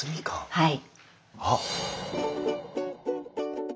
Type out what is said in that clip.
はい。